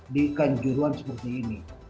di ikan juruan seperti ini